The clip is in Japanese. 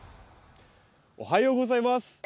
おはようございます。